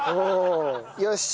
よし！